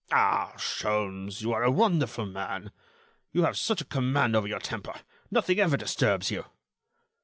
"Ah! Sholmes, you are a wonderful man! You have such a command over your temper. Nothing ever disturbs you."